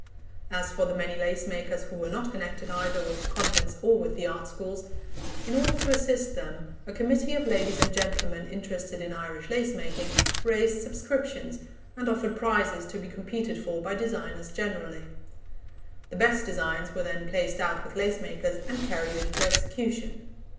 As for the many lace makers who were not connected either with the convents or with the art schools, in order to assist them, a committee of ladies and gentlemen interested in Irish lace making raised subscriptions, and offered prizes to be competed for by designers generally. The best designs were then placed out with lace makers, and carried into execution.